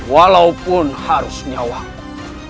walaupun harus nyawaku